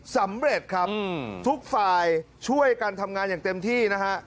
สำเร็จครับทุกฝ่ายช่วยกันทำงานอย่างเต็มที่นะฮะ